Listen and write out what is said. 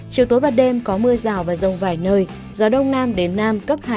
chiều tối và đêm có mưa rào và rông vài nơi gió đông nam đến nam cấp hai